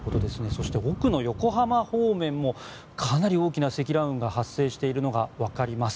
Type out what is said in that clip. そして、奥の横浜方面もかなり大きな積乱雲が発生しているのがわかります。